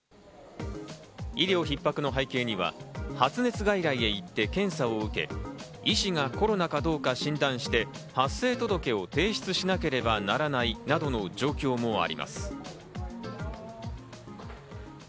医療ひっ迫の背景には、発熱外来へ行って検査を受け、医師がコロナかどうか診断して発生届を提出しなければならないなどの状況もあります。